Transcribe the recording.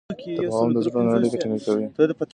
تفاهم د زړونو اړیکه ټینګه کوي.